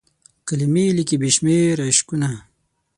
کلمې لیکي بې شمیر عشقونه